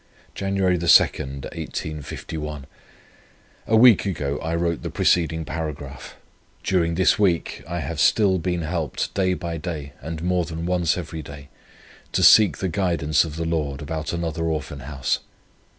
"Jan. 2, 1851. A week ago I wrote the preceding paragraph. During this week I have still been helped, day by day, and more than once every day, to seek the guidance of the Lord about another Orphan House.